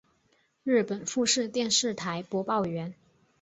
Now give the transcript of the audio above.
日本富士电视台播报员。